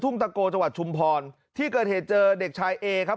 ตะโกจังหวัดชุมพรที่เกิดเหตุเจอเด็กชายเอครับ